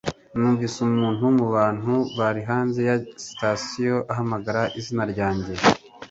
numvise umuntu mubantu bari hanze ya sitasiyo ahamagara izina ryanjye